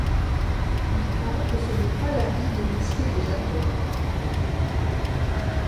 Il paraît que ce n’est pas l’avis de messieurs les jaguars!